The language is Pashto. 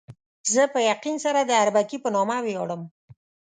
زه په یقین سره د اربکي په نامه ویاړم.